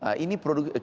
kemudian yang ketiga